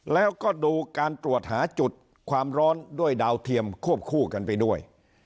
แล้วก็ดูการตรวจหาจุดความร้อนด้วยดาวเทียมควบคู่กันไปด้วย